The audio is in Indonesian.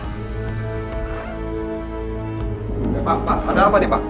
ada pak ada apa nih pak